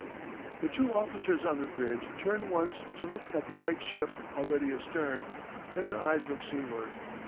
The two officers on the bridge turn once to look at the light ship already astern, then their eyes look seaward.